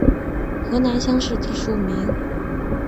河南乡试第十五名。